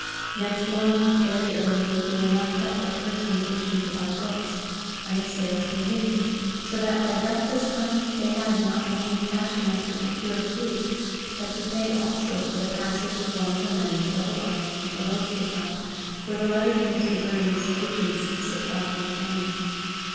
Next morning, very early, they were knocked up by persons wishing to buy books, and the sales continued; so that by breakfast time they had not only cash enough to procure food, but to pay also for the passage of one of the men to Double Island, below Swatow, with a letter to Mr. Burns's agent to supply him with money.